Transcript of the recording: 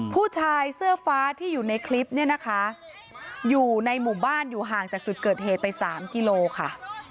ผู้ชายเสื้อฟ้าที่อยู่ในคลิปเนี่ยนะคะอยู่ในหมู่บ้านอยู่ห่างจากจุดเกิดเหตุไปสามกิโลค่ะ